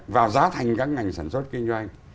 vào giá thành các ngành sản xuất kinh doanh